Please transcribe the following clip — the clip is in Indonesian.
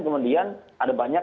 kemudian ada banyak